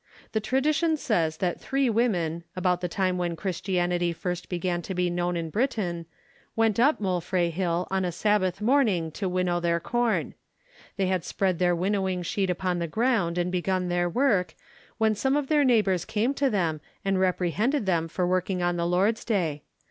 The tradition says that three women, about the time when Christianity first began to be known in Britain, went up Moelfre Hill on a Sabbath morning to winnow their corn. They had spread their winnowing sheet upon the ground and begun their work, when some of their neighbours came to them and reprehended them for working on the Lord's day.